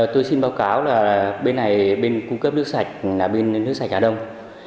tôi xin báo cáo là bên này bên cung cấp nước sạch là bên nước sạch hà đông